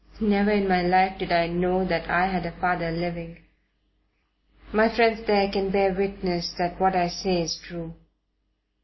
Never in my life did I know that I had a father living. My friends there can bear witness that what I say is true."